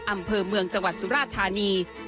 อำเภอเมืองจังหวัดสุราธานี